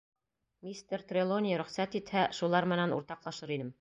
Мистер Трелони рөхсәт итһә, шулар менән уртаҡлашыр инем.